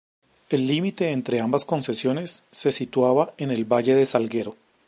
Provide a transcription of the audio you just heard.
El límite entre ambas concesiones se situaba en el valle de Salguero.